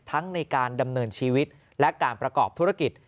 ในการดำเนินชีวิตและการประกอบธุรกิจ